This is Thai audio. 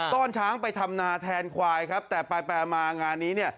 ต้อนช้างไปทำนาแทนควายครับแต่ไปมางานนี้เนี่ย